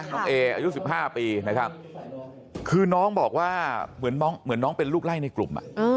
น้องเออายุ๑๕ปีนะครับคือน้องบอกว่าเหมือนน้องเป็นลูกไล่ในกลุ่ม